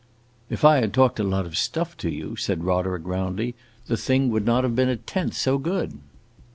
"If I had talked a lot of stuff to you," said Roderick, roundly, "the thing would not have been a tenth so good."